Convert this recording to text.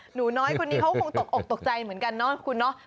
หนูน้อยคนนี้คงออกตกใจเหมือนกันเนาะ